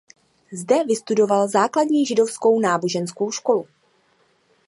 Zde vystudoval základní židovskou náboženskou školu.